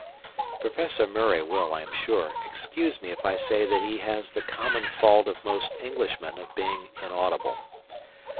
Professor Murray will, I am sure, excuse me if I say that he has the common fault of most Englishmen of being inaudible.